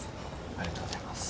ありがとうございます。